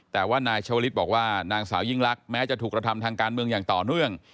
แต่ว่านายชาวลิศบอกว่านางสาวยิ่งลักษณ์แม้จะถูกกระทำทางการเมืองอย่างต่อเนื่อง